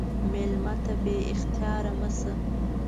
مېلمه ته بې اختیاره مه شه.